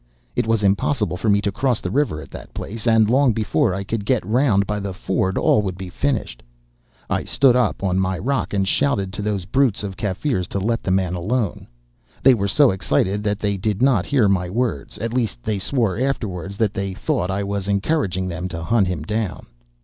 It was impossible for me to cross the river at that place, and long before I could get round by the ford all would be finished. I stood up on my rock and shouted to those brutes of Kaffirs to let the man alone. They were so excited that they did not hear my words; at least, they swore afterwards that they thought I was encouraging them to hunt him down.